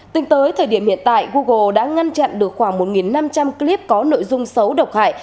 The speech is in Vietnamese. tính tới thời điểm hiện tại google đã ngăn chặn được khoảng một năm trăm linh clip có nội dung xấu độc hại